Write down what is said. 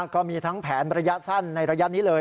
ก็มีทั้งแผนระยะสั้นในระยะนี้เลย